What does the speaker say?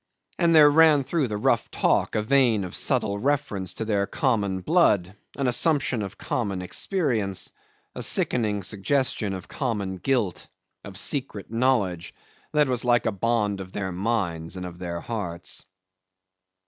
And there ran through the rough talk a vein of subtle reference to their common blood, an assumption of common experience; a sickening suggestion of common guilt, of secret knowledge that was like a bond of their minds and of their hearts.